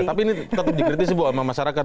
tapi ini tetap dikritisi bu sama masyarakat